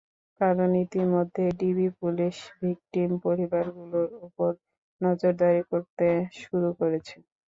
কারণ ইতিমধ্যেই DB police victim পরিবারগুলোর ওপর নজরদারি করতে শুরু করেছে।